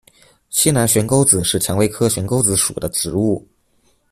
西南悬钩子是蔷薇科悬钩子属的植物。